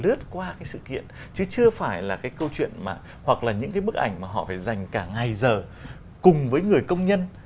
lướt qua cái sự kiện chứ chưa phải là cái câu chuyện mà hoặc là những cái bức ảnh mà họ phải dành cả ngày giờ cùng với người công nhân